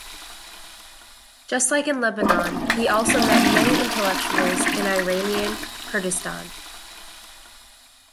Just like in Lebanon, he also met many intellectuals in Iranian Kurdistan.